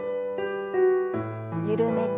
緩めて。